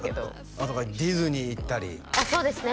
あとディズニー行ったりあっそうですね